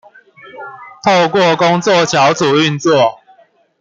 透過工作小組運作